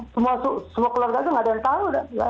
semua keluarga itu tidak ada yang tahu